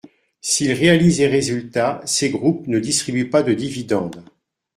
S’ils réalisent des résultats, ces groupes ne distribuent pas de dividendes.